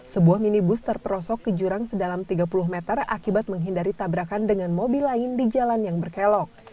sebuah minibus terperosok ke jurang sedalam tiga puluh meter akibat menghindari tabrakan dengan mobil lain di jalan yang berkelok